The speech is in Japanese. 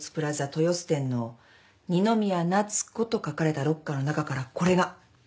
豊洲店の「二宮奈津子」と書かれたロッカーの中からこれが。